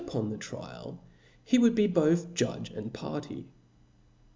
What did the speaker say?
5. upon the trial, he would be both judge and party.